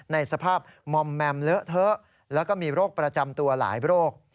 ในสภาพมอมแมมเลอะเทอะแล้วก็มีโรคประจำตัวหลายโรค